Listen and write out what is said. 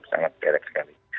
sangat kerek sekali